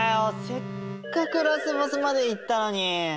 せっかくラスボスまで行ったのに！